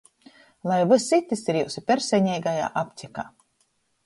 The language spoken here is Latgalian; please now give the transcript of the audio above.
Lai vyss itys ir jiusu personeigajā aptekā!